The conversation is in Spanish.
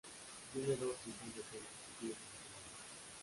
Tiene dos hijos de sus respectivos matrimonios.